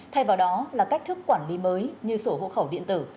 thay vào đó là cách thức quản lý mới như sổ hộ khẩu